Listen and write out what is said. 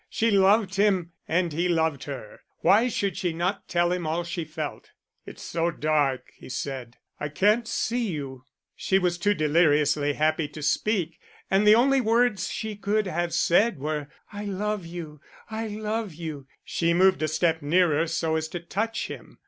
She loved him and he loved her. Why should she not tell him all she felt? "It's so dark," he said, "I can't see you." She was too deliriously happy to speak, and the only words she could have said were, I love you, I love you. She moved a step nearer so as to touch him.